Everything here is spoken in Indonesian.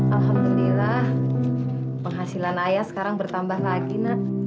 alhamdulillah penghasilan ayah sekarang bertambah lagi nak